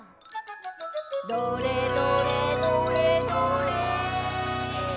「どれどれどれどれ」